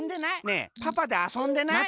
ねえパパであそんでない？